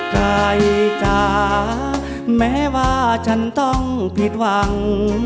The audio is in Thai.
ใจจ๋าแม้ว่าฉันต้องผิดหวัง